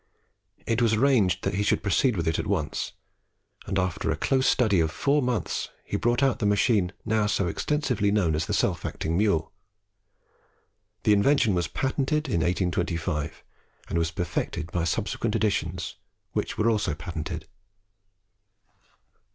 It was arranged that he should proceed with it at once, and after a close study of four months he brought out the machine now so extensively known as the self acting mule. The invention was patented in 1825, and was perfected by subsequent additions, which were also patented.